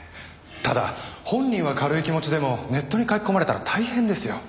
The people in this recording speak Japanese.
ただ本人は軽い気持ちでもネットに書き込まれたら大変ですよ。